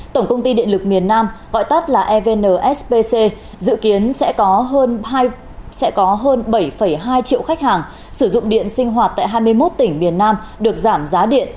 tổng công ty điện lực miền nam gọi tắt là evnsbc dự kiến sẽ có hơn bảy hai triệu khách hàng sử dụng điện sinh hoạt tại hai mươi một tỉnh miền nam được giảm giá điện